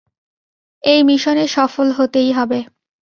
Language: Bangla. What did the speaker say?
এই মিশনে সফল হতেই হবে।